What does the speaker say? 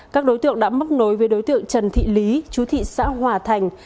các đối tượng đã móc nối với đối tượng trần thị lý chú thị xã hòa thành